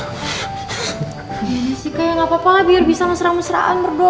ini sih kayak nggak apa apa lah biar bisa mesra mesraan berdua